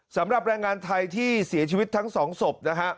สำหรับแรงงานไทยที่เสียชีวิตทั้งสองศพนะฮะ